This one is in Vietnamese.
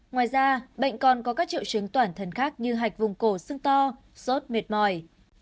ngoài ra bệnh còn có các triệu chứng toản thân khác như hạch vùng cổ xương to sốt mệt mỏi